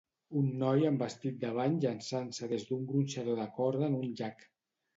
Un noi amb vestit de bany llançant-se des d'un gronxador de corda en un llac.